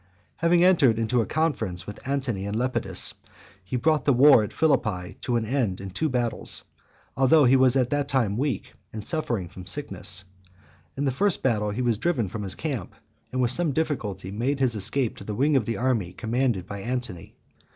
XIII. Having entered into a confederacy with Antony and Lepidus, he brought the war at Philippi to an end in two battles, although he was at that time weak, and suffering from sickness . In the first battle he was driven from his camp, (78) and with some difficulty made his escape to the wing of the army commanded by Antony.